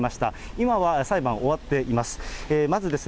今は裁判、終わっています。